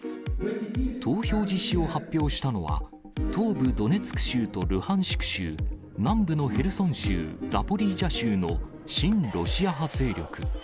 投票実施を発表したのは、東部ドネツク州とルハンシク州、南部のヘルソン州、ザポリージャ州の親ロシア派勢力。